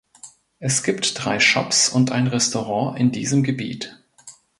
Es gibt drei Shops und ein Restaurant in diesem Gebiet.